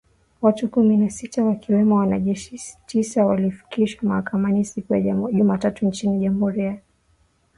Watu kumi na sita ,wakiwemo wanajeshi tisa ,walifikishwa mahakamani siku ya Jumatatu nchini Jamhuri ya Kidemokrasia ya Kongo